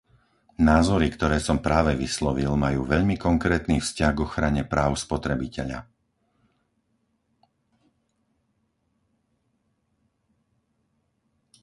Názory, ktoré som práve vyslovil, majú veľmi konkrétny vzťah k ochrane práv spotrebiteľa.